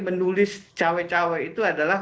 menulis cawe cawe itu adalah